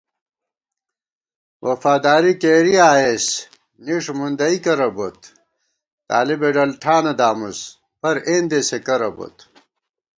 وفاداری کېری آئېس نِݭ مُندَئی کرہ بوت * طالِبےڈلٹھانہ دامُس پر اېندېسےکرہ بوت